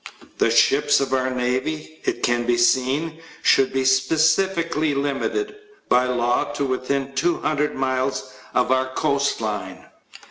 The ships of our navy, it can be seen, should be specifically hmited, by law, to within 200 miles of our coastline.